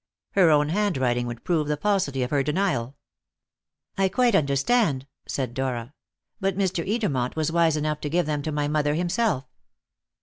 Her own handwriting would prove the falsity of her denial." "I quite understand," said Dora; "but Mr. Edermont was wise enough to give them to my mother himself."